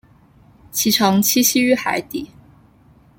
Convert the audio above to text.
其常栖息于海底。